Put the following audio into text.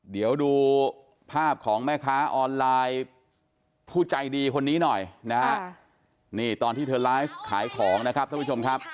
เดี๋ยวดูภาพของแม่ค้าออนไลน์ผู้ใจดีคนนี้หน่อยนะฮะนี่ตอนที่เธอไลฟ์ขายของนะครับท่านผู้ชมครับ